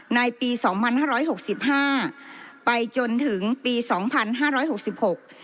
ในปีสองพันห้าร้อยหกสิบห้าไปจนถึงปีสองพันห้าร้อยหกสิบหก